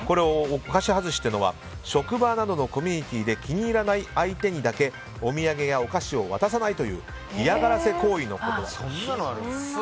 お菓子外しというのは職場などのコミュニティーで気に入らない相手にだけお土産やお菓子を渡さないという嫌がらせ行為だということです。